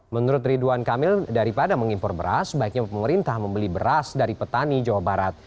menurut ridwan kamil daripada mengimpor beras baiknya pemerintah membeli beras dari petani jawa barat